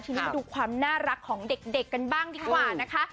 ทีนี้มาดูความน่ารักของเด็กกันบ้างดีกว่านะคะ